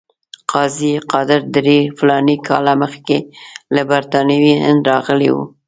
قاضي قادر درې فلاني کاله مخکې له برټانوي هند راغلی وو.